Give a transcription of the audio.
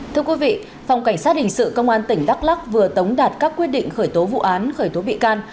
thưa quý vị phòng cảnh sát hình sự công an tỉnh đắk lắc vừa tống đạt các quyết định khởi tố vụ án khởi tố bị can